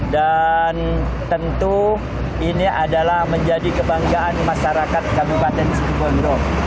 dan tentu ini adalah menjadi kebanggaan masyarakat kabupaten situ bondo